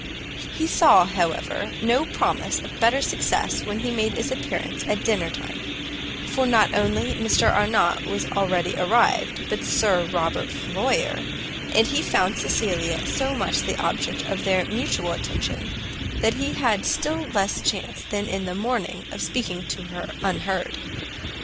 He saw, however, no promise of better success when he made his appearance at dinner time, for not only Mr Arnott was already arrived, but Sir Robert Floyer, and he found Cecilia so much the object of their mutual attention, that he had still less chance than in the morning of speaking to her unheard.